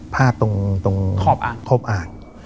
ผ้าตรงทอบอ่าง